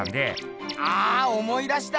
あ思い出した！